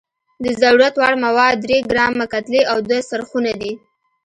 د ضرورت وړ مواد درې ګرامه کتلې او دوه څرخونه دي.